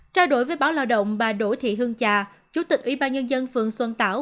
trao đổi với báo lao động bà đỗ thị hương trà chủ tịch ủy ban nhân dân phường xuân tảo